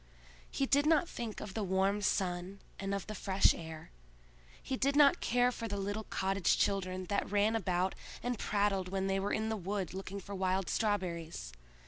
He did not think of the warm sun and of the fresh air; he did not care for the little cottage children that ran about and prattled when they were in the wood looking for wild strawberries.